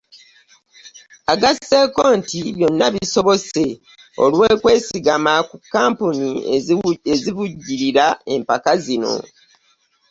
Agasseeko nti byonna bisobose olw'okwesigama ku kkampuni ezivujjirira empaka zino